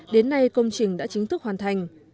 đến nay công trình đã chính thức hoàn thành